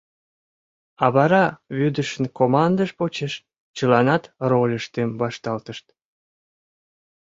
А вара вӱдышын командыж почеш чыланат рольыштым вашталтышт.